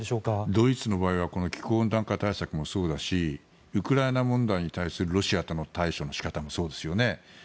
ドイツの場合は気候変動対策もそうだしウクライナ問題に対するロシアへの対処の仕方もそうですよね。